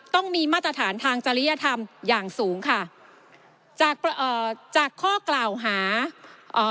ต้องมีมาตรฐานทางจริยธรรมอย่างสูงค่ะจากเอ่อจากจากข้อกล่าวหาเอ่อ